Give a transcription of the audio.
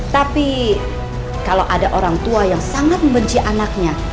tapi kalau ada orang tua yang sangat membenci anaknya